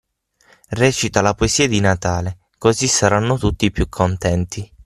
Recita la poesia di Natale, così saranno tutti più contenti.